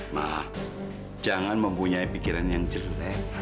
nah jangan mempunyai pikiran yang jelek